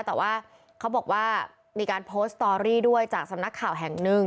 แต่ว่าเขาบอกว่ามีการโพสต์สตอรี่ด้วยจากสำนักข่าวแห่งหนึ่ง